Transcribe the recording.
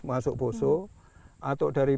masuk poso atau dari